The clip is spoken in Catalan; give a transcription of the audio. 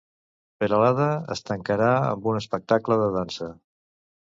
Peralada es tancarà amb un espectacle de dansa